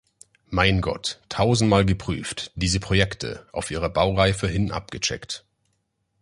Mein Gott, tausendmal geprüft, diese Projekte, auf ihre Baureife hin abgecheckt!